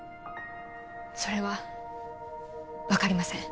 それは分かりません